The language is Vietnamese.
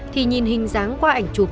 thì nhìn hình dáng qua ảnh chụp